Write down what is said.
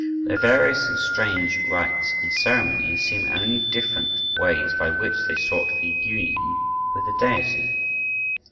Their various and strange rites and ceremonies seem only different ways by which they sought for union with the deity.